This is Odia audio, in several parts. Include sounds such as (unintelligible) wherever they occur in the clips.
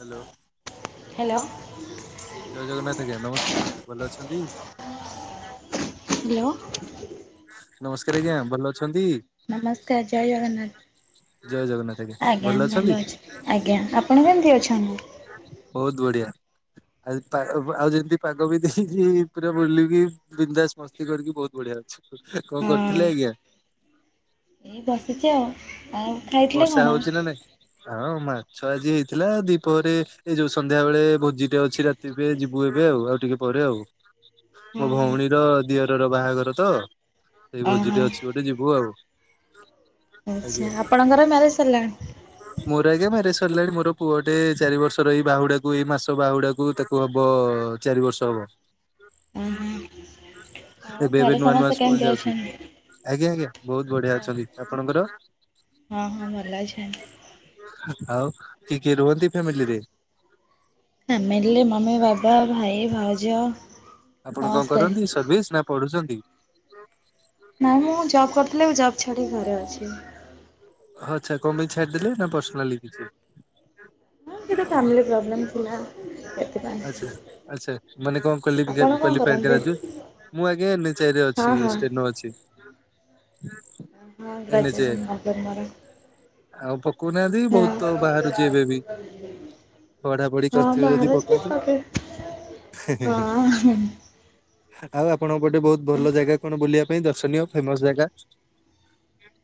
Hello hello. ଜୟ ଜଗନ୍ନାଥ ଆଜ୍ଞା ନମସ୍କାର ଭଲ ଅଛନ୍ତି? ହ୍ୟାଲୋ ନମସ୍କାର ଆଜ୍ଞା ଭଲ ଅଛନ୍ତି ନମସ୍କାର ଜୟ ଜଗନ୍ନାଥ ଜୟ ଜଗନ୍ନାଥ ଆଜ୍ଞା ଅଛନ୍ତି ଭଲ ଅଛି ଆଜ୍ଞା ଆପଣ କେମତି ଅଛନ୍ତି? ବହୁତ ବଢିଆ ଆଉ ଆଉ ଯେମିତି ପାଗ ବି ଦେଇଛି ପୁରା ବୁଲି ବିନ୍ଦାସ ମ ବସ୍ତି କରିକି ବହୁତ ବଢିଆ ଅଛି କଣ ହଁ। କରିଥିଲେ ଆଜ୍ଞା? ଏଇ ବସିଛି ଆଉ, ଆଉ ଖାଇଥିଲେ ବର୍ଷା କଣ? ହଉଛି ନା ନାଇଁ ହଁ ମାଛ ଆଜି ହେଇଥିଲା ଦ୍ଵିପହରେ ଏଇ ଯୋଉ ସନ୍ଧ୍ୟା ବେଳେ ଭୋଜିଟେ ଅଛି ରାତି ଏବେ ଯିବୁ ଏବେ ଆଉ ଆଉ ଟିକେ ପରେ ଆଉ ହୁଁ ମୋ ହୁଁ। ଭଉଣୀର ଦିଅରର ବାହାଘର ତ ସେଇ ଓହୋ ଭୋଜିଟେ ଅଛି ଗୋଟେ ଯିବୁ ଆଉ ଆଛା ଆଜ୍ଞା ଆପଣଙ୍କର ମ୍ୟାରେଜ ସରିଲାଣି ମୋର ଆଜ୍ଞା ମ୍ୟାରେଜ ସରିଲାଣି ମୋର ପୁଅଟେ ଚାରି ବର୍ଷର ଏଇ ବାହୁଡାକୁ ଏଇ ମାସ ବାହୁଡାକୁ ତାକୁ ହବ ଚାରି ବର୍ଷ ହବ ଓହ ଏବେ ଏବେ ନୂଆ ନୂଆ ସ୍କୁଲ ଯାଉଛି ଆଜ୍ଞା ଆଜ୍ଞା ବହୁତ ବଢିଆ ଅଛନ୍ତି ଆପଣଙ୍କର? ହଁ ହଁ ଭଲ ଅଛନ୍ତି ଆଉ କି କିଏ ରୁହନ୍ତି ଫ୍ୟାମିଲିରେ? ଫାମିଲି ମମି ବାବା ଭାଇ ଭାଉଜ ଆପଣ କଣ ସମସ୍ତେ। କରନ୍ତି? ସର୍ଭିସ୍ ନା ପଢୁଛନ୍ତି ନାଇଁ ମୁଁ ଜବ୍ କରିଥିଲି ଏବେ ଜବ୍ ଛାଡିକି ଘରେ ଅଛି ଆଛା କଣ ପାଇଁ ଛାଡିଦେଲେ ନା ପର୍ସନାଲି କିଛି ହଁ ସେତେ ଫାମିଲି ପ୍ରୋବ୍ଲେମ୍ ଥିଲା ସେଥିପାଇଁ ଆଛା ଆଚ୍ଛା ମାନେ କଣ କ୍ୱାଲି ଆପଣ କଣ କ୍ଵାଲିଫାଏଡ କରନ୍ତି? ଗ୍ରାଜୁ - ମୁଁ ଆଜ୍ଞା ଏମ୍ ଏଚ ଆର ରେ ହଁ ଅଛି ହଁ ଷ୍ଟେନୋ ଅଛି ଆ ଏନ୍ ଏଚ ଆଇ ଗ୍ରାଜୁଏସନ୍ ରେ (inaudible) ଆଉ ପକଉନାହାନ୍ତି ବହୁତ ବାହାରୁଛି ଏବେ ବି। ପଢାପଢି ହଁ ହଁ କରିଥିବେ ବାହାର ଯଦି ଯେ ପକାନ୍ତୁ ତାପରେ ହଁ ଆଉ ଆପଣଙ୍କ ପଟେ ବହୁତ ଭଲ ଜାଗା କଣ ବୁଲିବା ପାଇଁ ଦର୍ଶନୀୟ ଫେମସ ଜାଗା?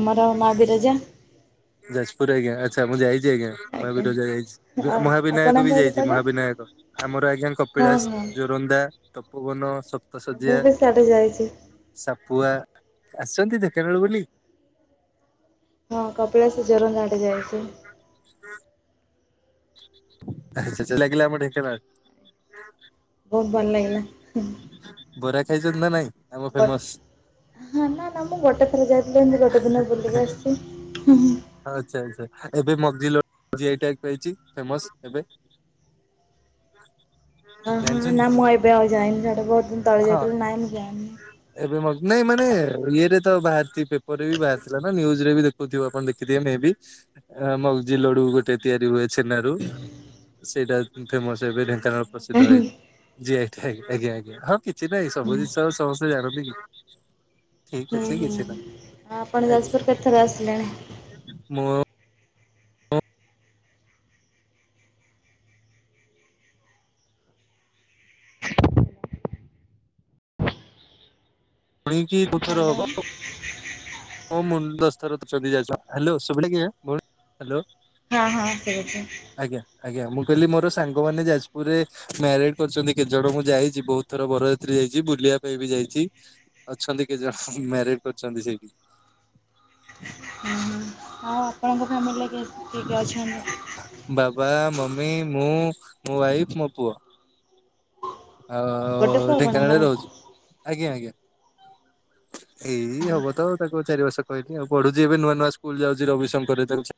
ଆମର ମା ବିରଜା ଯାଜପୁର ଆଜ୍ଞା। ଆଚ୍ଛା ମୁଁ ଯାଇଚି ଆଜ୍ଞା। ମୁଁ ଆଜ୍ଞା। ଆଗୁରୁ ଯାଇଚି। ଆଉ ମହାବିନାୟକ ବି ଆପଣଙ୍କର ଯାଇଚି କୁଆଡେ? ମହାବିନାୟକ। ଆମର ଆଜ୍ଞା ହଁ କପିଳାସ, ହଁ ଜୋରନ୍ଦା। ତପୋବନ, ମୁଁ ସପ୍ତଶଯ୍ୟା। ବି ସିଆଡେ ଯାଇଛି। ସାପୁଆ। ଆସିଚନ୍ତି ଢେଙ୍କାନାଳ ବୁଲି? ହଁ କପିଳାସ, ଜୋରନ୍ଦା ଆଡେ ଯାଇଚି। ଆଚ୍ଛା ଛା ଲାଗିଲା ଆମ ଢେଙ୍କାନାଳ? ବହୁତ୍ ଭଲ୍ ଲାଗିଲା। ବରା ଖାଇଚନ୍ତି ନା ନାଇଁ? ଆମ ଗୋଟେ ଫେମସ୍। ହଁ ନା ନା ମୁଁ ଗୋଟେ ଥରେ ଯାଇଥିଲି। ମୁଁ ଗୋଟେ ଦିନ ବୁଲିକି ଆସଚି। ହୁଁ ହୁଁ। ଆଚ୍ଛା ଆଚ୍ଛା ଏବେ ମଗଜି ଲ ଜି ଆଇ ଟ୍ୟାଗ୍ ପାଇଚି ଫେମସ୍ ଏବେ। ଅ ହଁ ଜାଣିଛନ୍ତି ନା ମୁଁ ଆ ଏବେ ଆଉ ଯାଇନି ସେଟା ବହୁତ ଦିନ ତଳେ ହଁ ଯାଇଥିଲି ନାଇନି। (unintelligible) ଏବେ ମୁଁ ଭାବୁଚି ନାଇଁ ମାନେ ଇଏରେ ତ ବାହାରିଚି, ପେପର ରେ ବି ବାହାରି ଥିଲା ନା ନ୍ୟୁଜ ରେ ବି ଦେଖୁଥିବ ଆପଣ ଦେଖିଥିବେ ମେଁ ବି। ଆ ମଗଜି ଲଡୁ ଗୋଟ୍ ତେ ତିଆରି ହୁଏ ଛେନା ରୁ, ସେଇଟା ଫେମସ୍ ଏବେ ଢେଙ୍କାନାଳ ପ୍ରସିଦ୍ଧ ହେଇ ଯେ ଟାଇମ୍ ଆଜ୍ଞା ଆଜ୍ଞା। ହଁ କିଛି ନାହିଁ ସବୁ ହୁଁ ଜିନିଷ ସମସ୍ତେ ଜାଣନ୍ତି କି? ଠିକ୍ ହୁଁ ଅଛି କିଛି ହୁଁ ନାହିଁ। ଆଉ ଆପଣ ଯାଜପୁର କେତ ଥର ଆସିଲେଣି? ମୋ ଶୁଣିଚି ବହୁ ଥର ହ୍ୟାଲୋ। ହବ। ହଁ ମୁଲ୍ ଦଶଥର ତ ଚଦି ଯାଇ ସ୍ବା ହାଲୋ ଶୁଭିଲା କି ଆଁ? ବୋଲ୍ ହାଲୋ। ହଁ ହଁ ଠିକ୍ ଅଛି। ଆଜ୍ଞା ଆଜ୍ଞା ମୁଁ କହିଲି ମୋର ସାଙ୍ଗମାନେ ଯାଜପୁରରେ ମ୍ୟାରେଡ୍ କରିଚନ୍ତି କେତେଜଣ ମୁଁ ଯାଇଚି ବହୁତ୍ ଥର ବରଯାତ୍ରୀ ଯାଇଚି, ବୁଲିବା ପାଇଁ ବି ଯାଇଚି। ଅଛନ୍ତି କେତ ଜଣ ଆଜ୍ଞା ମ୍ୟାରେଡ୍ କରିଛନ୍ତି ସେଇ (unintelligible) ଆଉ ଆପଣଙ୍କ ଫ୍ୟାମିଲିରେ କିଏ କିଏ ଅଛନ୍ତି? ବାବା, ମମି, ମୁଁ, ମୋ ୱାଇଫ ମୋ ପୁଅ। ଗୋଟେ ଆଉ ପୁଅ ଢେଙ୍କାନାଳରେ ଆପଣଙ୍କର? ରହୁଚି ଆଜ୍ଞା ଆଜ୍ଞା। ଏଇ ହବ ତ ଆଉ ତାକୁ ଚାରି ବର୍ଷ କହିଲି ଆଉ ପଢୁଚି ଏବେ ନୂଆ ନୂଆ ସ୍କୁଲ ଯାଉଚି ରବିଶଙ୍କରରେ ତାକୁ ଛା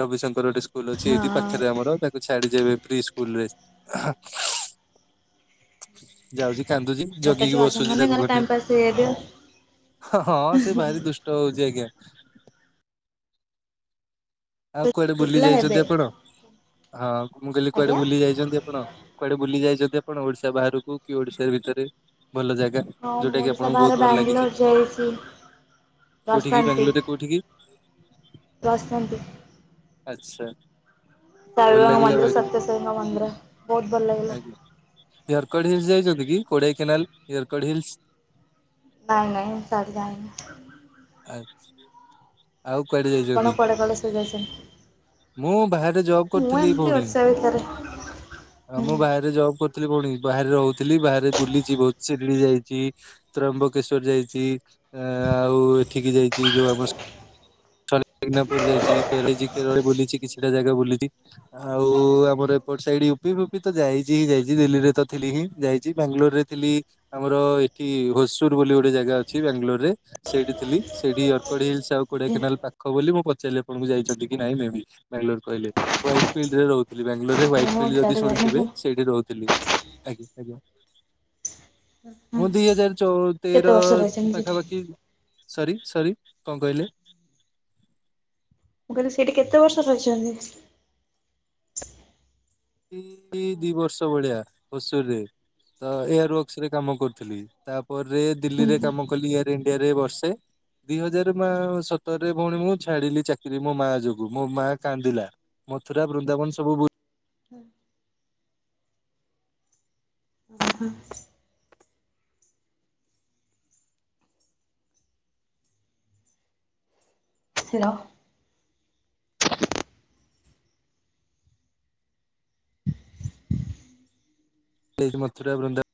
ରବିଶଙ୍କର ଗୋଟେ ସ୍ ସ୍କୁଲ ଅଛି ହଁ ଏଇଠି ପାଖେରେ ଆମର ତାକୁ ଛାଡିଚି ଏବେ ପ୍ରି ସ୍କୁଲ ରେ। ଆ ହା। ଯାଉଚି କାନ୍ଦୁଚି ଛୋଟ ଜଗିକି ଛୁଆ ଅଛନ୍ତି ବସୁଚି ମାନେ ତାକୁ ଘରେ ଘଟେ। ଟାଇମ୍ ପାସ୍ ହେଇଯାଇଥିବ। ହ ହଁ ସେ ଭାରି ଦୁଷ୍ଟ ହଉଚି ଆଜ୍ଞା। ଆଉ କୁଆଡେ ପୁଅ ବୁଲି ପିଲା ଯାଇଚନ୍ତି ହେବେ ଆପଣ? ଅ ମୁଁ କହିଲି କୁଆଡେ ଆଜ୍ଞା। ବୁଲି ଯାଇଚନ୍ତି ଆପଣ? କୁଆଡେ ବୁଲି ଯାଇଚନ୍ତି ଆପଣ ଓଡିଶା ବାହାରକୁ କି ଓଡିଶାର ଭିତରେ ଭଲ ଜାଗା? ହଁ ଯୋଉଟା ମୁଁ କି ଓଡିଶା ଆପଣଙ୍କୁ ବହୁତ ବାହାରେ ଭଲ ଲାଗିଛି ବାଙ୍ଗଲୋର ଯାଇଚି। କୋଉଠିକି ବାଙ୍ଗାଲୋରରେ କୋଉଠିକି? ସେ ଆସନ୍ତି। ଆଚ୍ଛା। ସାଇ ଭଲ ବାବାଙ୍କ ଲାଗିଲା ମନ୍ଦିର, ବାଙ୍ଗାଲୋର। ସତ୍ୟସାଇ ବାବା ମନ୍ଦିର ବହୁତ ଭଲ ଲାଗିଲା। ୟରକଡ଼ ହିଲ୍ସ ଯାଇଚନ୍ତି କି କୋଡ଼େଇ କେନାଲ ୟରକଡ଼ ହିଲ୍ସ? ନାଇଁ ନାଇ ସିଆଡେ ଯାଇନି। ଆଚ୍ଛା। ଆଉ କୁଆଡେ ଯାଇଚ କି? (unintelligible) ମୁଁ ବାହାରେ ଜବ୍ ମୁଁ କରୁଥିଲି ଏମିତି ଭଉଣୀ। ଓଡ଼ିଶା ଭିତରେ ଆଉ ମୁଁ ହୁଁ। ବାହାରେ ଜବ୍ କରିଥିଲି ଭଉଣୀ। ବାହାରେ ରହୁଥିଲି, ବାହାରେ ବୁଲିଚି ବହୁତ୍ ଶିରିଡ଼ି ଯାଇଚି। ତ୍ରୟମ୍ବକେଶ୍ୱର ଯାଇଚି। ଆଁ ଆଉ ଏଠିକି ଯାଇଚି ଯୋଉ ଆମସ୍ ମେଘନାପୁର ଯାଇଚି। (unintelligible) କେରଳ ବୁଲିଚି କିଛିଟା ଜାଗା ବୁଲିଚି। ଆଉ ଆମର ଏପଟ ସାଇଡ ୟୁପି ଫୁପି ତ ଯାଇଛି ହିଁ ଯାଇଛି ଦିଲ୍ଲୀରେ ତ ଥିଲି ହିଁ ଯାଇଛି ବାଙ୍ଗାଲୋର ରେ ଥିଲି ଆମର ଏଠି ହୋସୁର ବୋଲି ଗୋଟେ ଜାଗା ଅଛି ବାଙ୍ଗାଲୋର ରେ ସେଇଠି ଥିଲି ସେଇଠି ଅର୍କଡହିଲସ ଆଉ କୋଡିଆ କେନାଲ ଆଜ୍ଞା ପାଖ ବୋଲି ମୁଁ ପଚାରିଲି କୁ ଯାଇଛନ୍ତି କି ନାଇଁ ମେ ବି ବାଙ୍ଗାଲୋର କହିଲେ ୱାଇଟ ଫିଲଡରେ ରହୁ ଥିଲି ବାଙ୍ଗାଲୋରରେ ୱାଇଟ୍ ଫିଲ୍ଡ ଯଦି ସିଆଡେ ଯାଇଛନ୍ତି ଶୁଣିଥିବେ ସେଇଠି ରହୁଥିଲି। ହଁ ମୁଁ ଦିଇ ହଜାର ଚଉ କେତେ ତେର ବର୍ଷ ରହିଛନ୍ତି ସେଠି? ପାଖାପାଖି ସରି ସରି କଣ କହିଲେ? ମୁଁ କହିଲି ସେଇଠି କେତେ ବର୍ଷ ରହିଛନ୍ତି? ଏଇ ଦି ବର୍ଷ ଭଳିଆ ହୁସୁରରେ ତ ଏୟାର ୱାର୍କସ ରେ କାମ କରୁଥିଲି ତାପରେ ହୁଁ ଦିଲ୍ଲୀରେ କାମ କଲି ଏ ଇଣ୍ଡିଆରେ ବର୍ଷେ ଦି ହଜାର ମା ସତରରେ ଭଉଣୀ ମୁଁ ଛାଡିଲି ଚାକ ମୋ ମାଆ ଯୋଗୁ ମୋ ମା କାନ୍ଦିଲା ମଥୁରା ବୃନ୍ଦାବନ ସବୁ ବୁ ହୁଁ। (unintelligible) ସେର ସେଇ ମଥୁରା ବୃନ୍ଦ -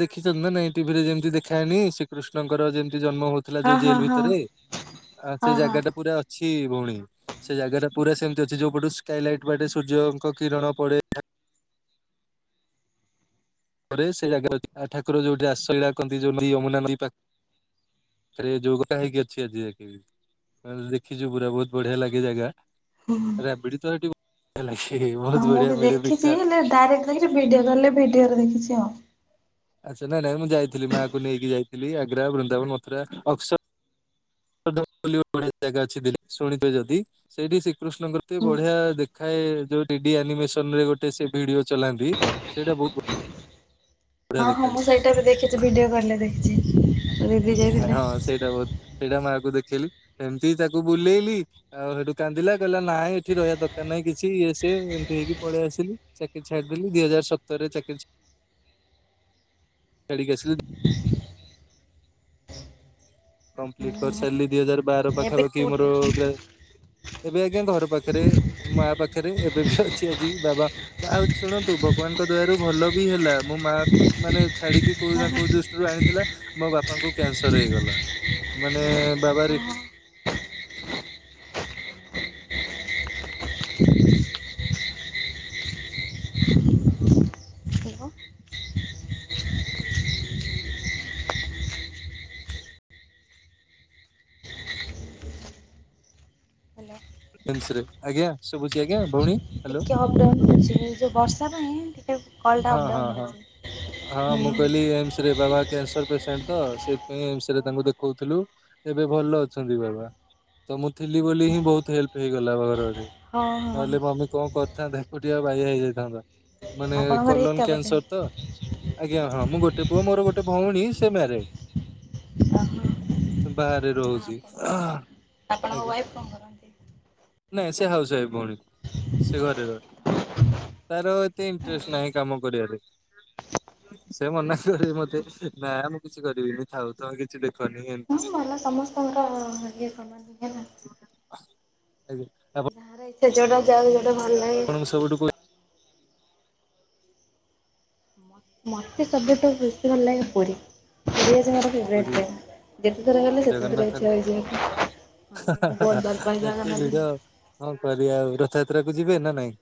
ଦେଖିଛନ୍ତି ନା ନାଇଁ ଟିଭି ରେ ଯେମିତି ଦେଖାଏନି ଶ୍ରୀକୃଷ୍ଣଙ୍କର ଯେମିତି ଜନ୍ମ ହଉଛି ଥିଲା ହଁ ଯୋଉ ହଁ ଜେଲ ହଁ ଭିତରେ ଆଉ ସେ ହଁ ହଁ। ଜାଗାଟା ପୁରା ଅ ଅଛି ଭଉଣୀ ସେ ଜାଗାଟା ପୁରା ସେମିତି ଅଛି ଯୋଉ ପଟୁ ସ୍କାଇଲାଇଟ୍ ବାଟେ ସୂର୍ଯ୍ୟଙ୍କ କିରଣ ପଡ଼େ ସେ ଜାଗା ଅଛି ଠାକୁର ଯୋଉଠି ଆଶଳା କରନ୍ତି ଯମୁନା ପାଖ ଏଥିରେ ଯୋଗଟା ହେଇକି ଅଛି ଆଜି (unintelligible) ଦେଖିଛୁ ପୁରା ବହୁତ ବଢ଼ିଆ ଲାଗେ ଜାଗା ରାବିଡି ତ ସେଠି ହେଲଲମ୍ ବହୁତ ବଢିଆ ମିଳେ ମିଠା। ତାଆରେ ଦେଖି ଭିଡିଓ ଗଲେ ଭିଡିଓଦେଖିଛି ଆଉ ଆଚ୍ଛା ଯୌ ଘ୍ନାଇଁ ନାଇଁ ମୁଁ ଯାଇଥିଲି ମାଙ୍କୁ ନେଇକି ଯାଇଥିଲି ଆଗ୍ରା ବୃନ୍ଦାବନ ମଥୁରା ଅକ୍ସ ବଢ଼ିଆ ଜାଗା ଅଛି ଶୁଣିଥିବେ ଯଦି ସେଇଠି ଶ୍ରୀକୃଷ୍ଣଙ୍କେ ହୁଁ ବଢିଆ ଦେଖ ଖାଏ ଯୋଉ ଡିଡି ଆନିମେସନ ରେ ଗୋଟେ ସେ ଭିଡିଓ ଚଲାନ୍ତି ସେଇଟା ବହୁତ ହଁ ବଢିଆ ହଁ ଦେଖାଯାଏ ମୁଁ ସେଇଟା ବି ଦେଖିଛି ଭିଡିଓ କଲେ ଦେଖିଛି। ଦିଦି ଆଜ୍ଞା ଯାଇଥିଲେ। ହଁ ସେଇଟା ବହୁତ ସେଇଟା ମାଆ କୁ ଦେଖେଇଲି ସେମିତି ତାକୁ ବୁଲେଇଲି। ଆଉ ହେଠୀ କାନ୍ଦିଲା କହିଲା ନାହିଁ ଏଠି ରହିବା ଦରକାର ନାହିଁ କିଛି ଇଏ ସିଏ ଏମିତି ହେଇକି ପଳେଇ ଆସିଲୁ। ଚାକିରି ଛାଡ଼ିଦେଲୁ ଦିଇ ହଜାର ସତରରେ ଚାକିରି ଛାଡ଼ିକି ଆସିଲୁ। କମ୍ପ୍ଲିଟ କରି ସାରିଲି ଦି ହଜାର ବାର ଏବେ ପାଖାପାଖି କୋଉଠି ମୋର ଅଛନ୍ତି? ଗ୍ରା ଏବେ ଆଜ୍ଞା ଘର ପାଖରେ ମା ପାଖରେ ଏବେ ବି ଅଛି ଆଜି ବାବା ଆଉ ଶୁଣନ୍ତୁ ଭଗବାନଙ୍କ ଦୟାରୁ ଭଲ ବି ହେଲା ମୋ ମାଆ କୁ ମାନେ ଛାଡ଼ିକି କଉ ହଁ ନା ହଁ କୋଉ ଦୃଷ୍ଟିରୁ ଆଣିଥିଲା ମୋ ବାପାଙ୍କୁ କ୍ୟାନସର ହେଇଗଲା। ମାନେ ବାବାରି ହ୍ୟାଲୋ ହ୍ୟାଲୋ ଏମ୍ସ ରେ ଆଜ୍ଞା ଶୁଭୁଚି ଆଜ୍ଞା ଭଉଣୀ ହ୍ୟାଲୋ (unintelligible) ଏ ଯୋଉ ବର୍ଷା ପାଇଁ ଏ (unintelligible) ହଁ ହଁ ହଁ ହଁ ମୁ କହିଲି ଏମ୍ସରେ ବାବା କ୍ୟାନସର ପେସେଣ୍ଟ ତ ସେଥିପାଇଁ ଏମସେରେ ତାଙ୍କୁ ଓହୋ ଦେଖଉଥିଲୁ ଏବେ ଭଲ ଅଛନ୍ତି ବାବା। ତ ମୁଁ ଥିଲି ବୋଲି ହିଁ ବହୁତ ହେଲ୍ପ ହେଇଗଲା ଘରରେ। ହଁ ହଁ ନହେଲେ ମମି କଣ କରିଥାନ୍ତା ଏକୁଟିଆ ବାଇଆ ହେଇଯାଇଥାନ୍ତା। ମାନେ ଆପଣଙ୍କର କଲନ ଏକା ବୋଧେ। କ୍ୟାନସର ତ ଆଜ୍ଞା ହଁ ମୁଁ ଗୋଟେ ପୁଅ ମୋର ଗୋଟେ ଭଉଣୀ ସେ ମାରେଡ। ଓହୋ ସେ ବାହାରେ ରହୁଛି। ଆପଣ ଆପଣଙ୍କ ଆଜ୍ଞା ୱାଇଫ୍ କଣ କରନ୍ତି? ନାଇଁ ସେ ହାଉସ ୱାଇଫ୍ ଭଉଣୀ। ସେ ଘର ରହେ ତାର ଏତେ ଇଣ୍ଟରେଷ୍ଟ ନାହିଁ କାମ କରିବାରେ। ସେ ମନା କରିବ ମତେ ନା ମୁଁ କିଛି କରିବିନି ଥାଉ ତମେ କିଛି ଦେଖ ହ ମଲା ସମସ୍ତଙ୍କର ଇଏ କଲାନି ହେଲା ଆଜ୍ଞା, ଆପ ଯାହାର ଇଛା ଯୋଟା ଯାଉ ଯୋଉଟା ଭଲ ଲାଗେ ସବୁଠୁ ମୋତେ ସବୁଠୁ ବେଶୀ ପୁରୀ, ପୁରୀ ଗଜା ମୋର ପୁରୀ (inaudible) ଯେତେଥର ହେଲେ ସେତେ ଥରେ ଜଗନ୍ନାଥଙ୍କ ଇଚ୍ଛା ହୋଇଯାଏ। ହଁ ମୁଁ ବହୁତ ଭଲପାଏ ଜଗନ୍ନାଥ ଧାମ। କଣ କରିବା ଆଉ, ରଥଯାତ୍ରା କୁ ଯିବେ ନା ନାଇଁ?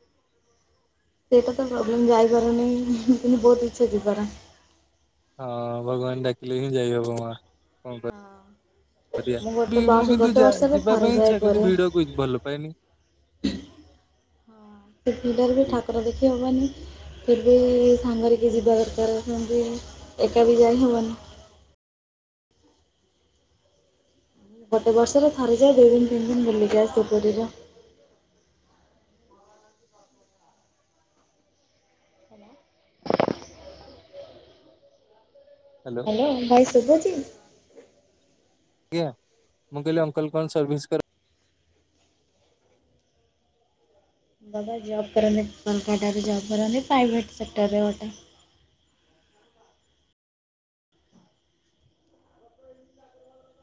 ସେଇଟା ତ ପ୍ରୋବ୍ଲେମ ଯାଇପାରୁନି କିନ୍ତୁ ବହୁତ ଇଚ୍ଛା ଯିବାର ହଁ ଭଗବାନ ଡାକିଲେ ହିଁ ଯାଇ ହବ ମା। କଣ କରିବା। ହଁ କରିବା ଅ ମୁଁ ବି ଗୋଟେ ବ ମୁଁ କିନ୍ତୁ ଗୋଟେ ଯା ବର୍ଷ ରେ ଯିବା ଥରେ ପାଇଁ ଯାଏ ଇଚ୍ଛା କିନ୍ତୁ ପୁରୀ। ଭିଡକୁ ଭଲ ପାଏନି ହଁ ସେ ଭିଡରେ ବି ଠାକୁର ଦେଖି ହବନି। ଫେର୍ ବି ସାଙ୍ଗରେ କିଏ ଯିବା ଦରକାର, ସେମତି ଏକା ବିି ଯାଇ ହେବନି। ଗୋଟେ ବର୍ଷରେ ଥରେଯାଏ, ଦୁଇ ଦିନ ତିନି ଦିନ ବୁଲି କି ଆସେ ପୁରୀରେ ହ୍ୟାଲୋ ହଁ ଭାଇ ଶୁଭୁଛି? ଆଜ୍ଞ, ମୁଁ କହିଲି ଅଙ୍କଲ କଣ ସରଭିସ କର ବାବା ଜବ କରନ୍ତି (unintelligible) ଜବ କରନ୍ତି ପ୍ରାଇଭେଟ ସେକ୍ଟରରେ ଗୋଟେ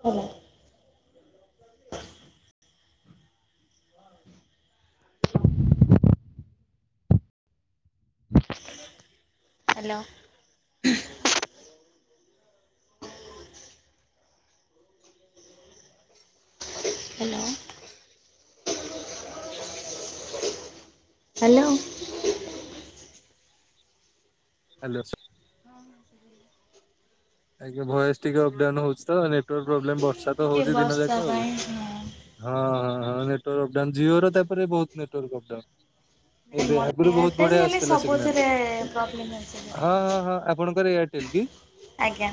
ହେଲା। ହାଲୋ ହାଲୋ ହାଲୋ ହାଲୋ ହ ଶୁଭିଲା। ଆଜ୍ଞା ଭୟସ ଟିକେ ଅପଡାଉନ ହଉଛି ତ, ନେଟୱାର୍କ ହଁ ପ୍ରୋବ୍ଲେମ ଏଇ ବର୍ଷା ତ ଟିକେ ହଉଛି ଦିନ ବର୍ଷା ଯାକ ଆଉ ହଁ ପାଇଁ ହଁ ହଁ ନେଟୱାର୍ ଅପଡାଉନ, ଜିଓ ର ତାପରେ ବି ବହୁତ ନେଟାର୍କ ଅପଡାଉନ। ନାଇଁ ଏବେ ମୋର ଆଗରୁ ବହୁତ ଏୟାରଟେଲ୍ ବଢିଆ ହେଲେ ଆସୁଥିଲା ସିଗନାଲ, ସବୁଥିରେ ପ୍ରୋବ୍ଲେମ୍ ଅଛି ହଁ ଟିକେ ହଁ ହଁ ଆପଣଙ୍କର ଏ ହୋଟେଲ କି? ଆଜ୍ଞା।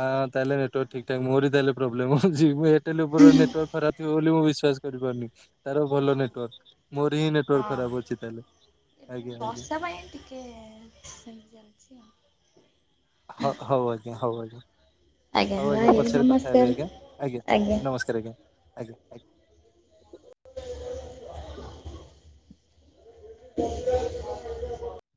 ହଁ ତାହେଲେ ନେଟୱାର୍କ ଠିକ ଠାକ୍ ମୋର ତାହାଲେ ପ୍ରୋବଲେମ୍, ଏୟରଟେଲ ଉପରେ ନେଟଓର୍ ଖରା ବୋଲି ମୁଁ ବିଶ୍ଵାସ କରିପାରୁନି, ତାର ଭଲ ନେଟୱାର୍କ ମୋର ହିଁ ହଁ। ଖରାପ ଅଛି ତାହେଲେ, ଆଜ୍ଞା ଆଜ୍ଞା। ଆ ସେ ଜାଣିଛି ଆଉ ହଉ ହଉ ଆଜ୍ଞା, ହଉ ଆଜ୍ଞା। ଆଉ। ହଉ ଆଜ୍ଞା, ରହିଲି ପଛରେ କଥା ହେବି ଆଜ୍ଞା, ନମସ୍କାର ଆଜ୍ଞା ନମସ୍କାର ଆଜ୍ଞା।